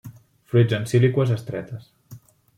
Fruits en síliqües estretes.